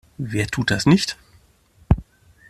Wer tut das nicht?